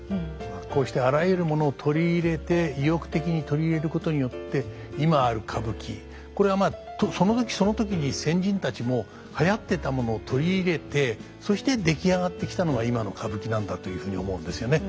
こうしてあらゆるものを取り入れて意欲的に取り入れることによって今ある歌舞伎これはその時その時に先人たちも流行ってたものを取り入れてそして出来上がってきたのが今の歌舞伎なんだというふうに思うんですよね。